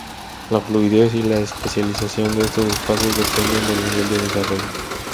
La fluidez y la especialización de estos espacios dependen del nivel de desarrollo.